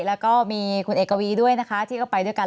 แล้วก็มีคุณเอกวีด้วยนะคะที่ก็ไปด้วยกัน